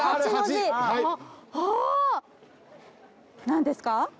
何ですか？